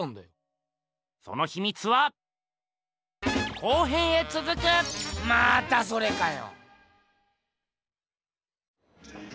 そのひみつはまたそれかよ。